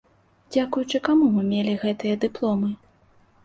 Дзякуючы каму мы мелі гэтыя дыпломы?